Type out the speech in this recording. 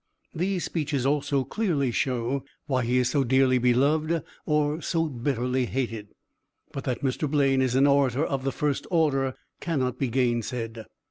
These speeches also clearly show why he is so dearly beloved, or so bitterly hated. But that Mr. Blaine is an orator of the first order cannot be gainsaid.